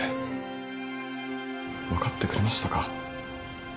分かってくれましたか？